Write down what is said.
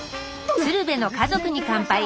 「鶴瓶の家族に乾杯」。